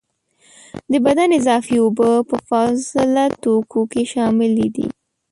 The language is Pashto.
د بدن اضافي اوبه په فاضله توکو کې شاملي دي.